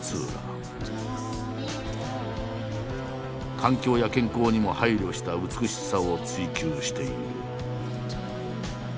環境や健康にも配慮した美しさを追求している。